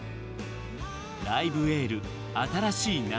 「ライブ・エール新しい夏」。